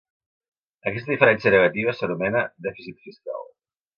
Aquesta diferència negativa s'anomena dèficit fiscal.